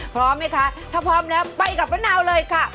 พร้อมไหมคะถ้าพร้อมแล้วไปกับมะนาวเลยค่ะ